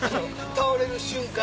倒れる瞬間